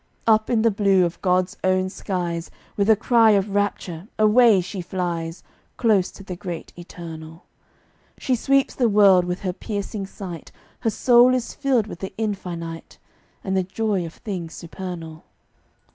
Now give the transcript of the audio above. Up in the blue of God's own skies, With a cry of rapture, away she flies, Close to the Great Eternal: She sweeps the world with her piercing sight; Her soul is filled with the infinite And the joy of things supernal.